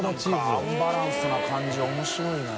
燭アンバランスな感じ面白いね。